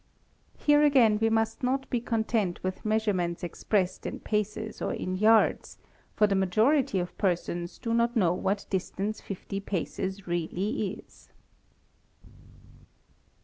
| Here again we must not be content with measurements expressed in paces or in yards, for the majority of persons do not know what distance 50 paces really is.